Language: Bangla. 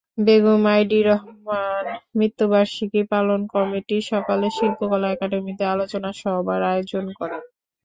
বেগম আইভি রহমান মৃত্যুবার্ষিকী পালন কমিটি সকালে শিল্পকলা একাডেমিতে আলোচনা সভার আয়োজন করে।